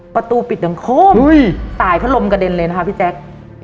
ประตูปิดดังโค้มสายพัดลมกระเด็นเลยนะคะพี่แจ๊ค